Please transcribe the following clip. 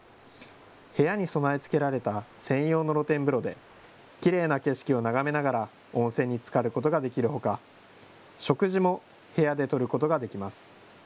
部屋に備え付けられた専用の露天風呂できれいな景色を眺めながら温泉につかることができるほか食事も部屋でとることができます。